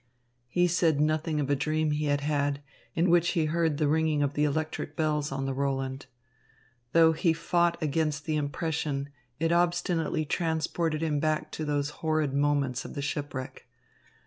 He said nothing of a dream he had had, in which he heard the ringing of the electric bells on the Roland. Though he fought against the impression, it obstinately transported him back to those horrid moments of the shipwreck.